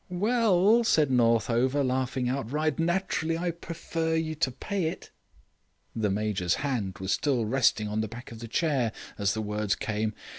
"Well," said Northover, laughing outright, "naturally I prefer you to pay it." The Major's hand was still resting on the back of the chair as the words came.